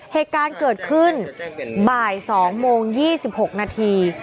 เหตุการณ์เกิดขึ้นบ่าย๒โมง๒๖นาที